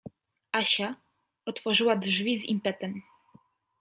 Asia otworzyła drzwi z impetem.